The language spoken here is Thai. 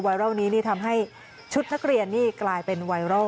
วรัลนี้นี่ทำให้ชุดนักเรียนนี่กลายเป็นไวรัล